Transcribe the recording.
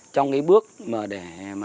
trong cái bước để